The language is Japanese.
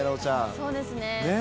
そうですね。